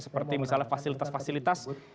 seperti misalnya fasilitas fasilitas